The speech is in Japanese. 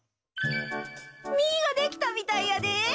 みができたみたいやで！